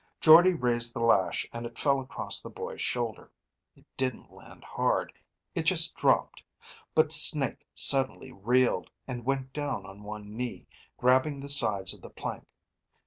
Jordde raised the lash and it fell across the boy's shoulder. It didn't land hard; it just dropped. But Snake suddenly reeled, and went down on one knee, grabbing the sides of the plank.